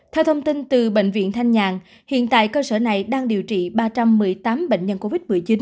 theo thông tin từ bệnh viện thanh nhàn hiện tại cơ sở này đang điều trị ba trăm một mươi tám bệnh nhân covid một mươi chín